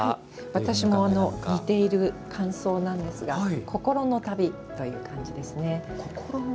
私も似ている感想なんですが「心の旅」という感じですね。